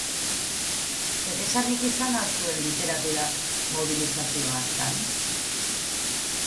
Zeresanik izan al zuen literaturak mobilizazio hartan?